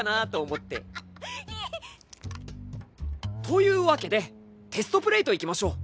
というわけでテストプレーといきましょう。